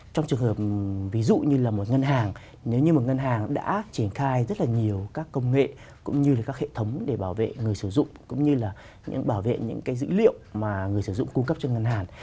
trong trường hợp ví dụ như là một ngân hàng nếu như mà ngân hàng đã triển khai rất là nhiều các công nghệ cũng như là các hệ thống để bảo vệ người sử dụng cũng như là bảo vệ những cái dữ liệu mà người sử dụng cung cấp cho ngân hàng